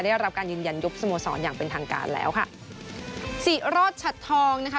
ได้รับการยืนยันยุบสโมสรอย่างเป็นทางการแล้วค่ะสิโรธชัดทองนะคะ